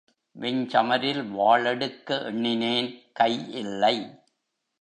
வெஞ்சமரில் வாள் எடுக்க எண்ணினேன் கை இல்லை.